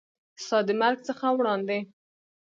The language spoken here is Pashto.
ستا د مرګ څخه وړاندې